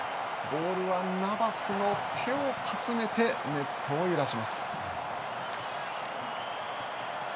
ボールはナバスの手をかすめてネットを揺らします。